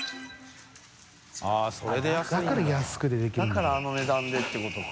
だからあの値段でってことか。